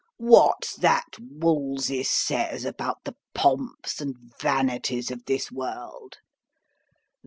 "What's that Wolsey says about the pomps and vanities of this world?"